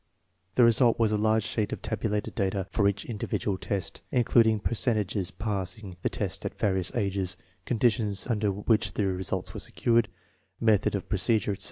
The result was a large sheet of tabulated data for each individual test, including percentages passing the test at various ages, conditions under which the results were secured, method of procedure, etc.